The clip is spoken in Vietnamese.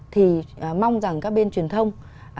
thì mong rằng các bên truyền thông